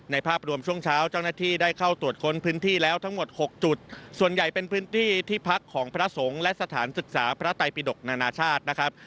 ภาพรวมช่วงเช้าเจ้าหน้าที่ได้เข้าตรวจค้นพื้นที่แล้วทั้งหมดหกจุดส่วนใหญ่เป็นพื้นที่ที่พักของพระสงฆ์และสถานศึกษาพระไตปิดกนานาชาตินะครับ